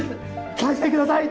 返してください。